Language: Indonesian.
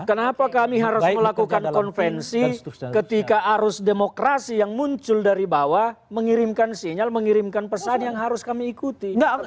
kenapa kami harus melakukan konvensi ketika arus demokrasi yang muncul dari bawah mengirimkan sinyal mengirimkan pesan yang harus kami ikuti